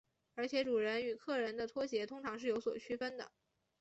而且主人与客人的拖鞋通常是有所区分的。